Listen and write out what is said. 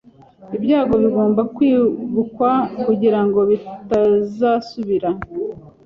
Ibyago bigomba kwibukwa kugirango bitazasubira.